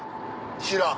知らん。